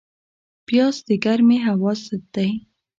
پیاز د ګرمې هوا ضد دی